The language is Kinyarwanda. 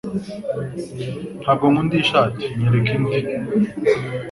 Ntabwo nkunda iyi shati Nyereka undi